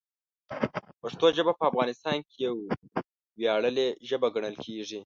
پښتو ژبه په افغانستان کې یوه ویاړلې ژبه ګڼل کېږي.